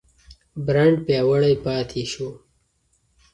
برانډ پیاوړی پاتې شو.